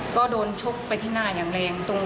ก็โดนชกไปที่หน้าอย่างแรง